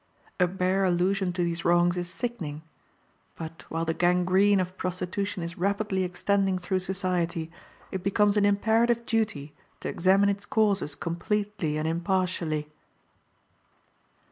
A bare allusion to these wrongs is sickening; but, while the gangrene of prostitution is rapidly extending through society, it becomes an imperative duty to examine its causes completely and impartially.